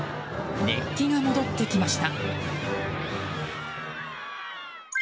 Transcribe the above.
熱気が戻ってきました。